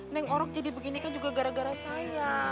neng orang jadi begini kan juga gara gara saya